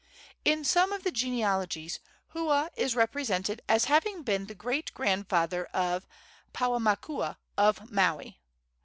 In some of the genealogies Hua is represented as having been the great grandfather of Paumakua, of Maui.